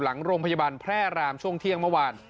หลังโรงพยาบาลแพร่รามช่วงเที่ยงเมื่อวาน